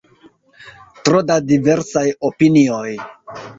Tro da diversaj opinioj.